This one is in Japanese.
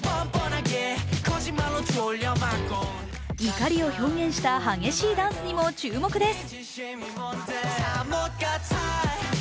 怒りを表現した激しいダンスにも注目です。